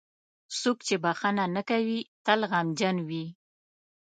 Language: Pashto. • څوک چې بښنه نه کوي، تل غمجن وي.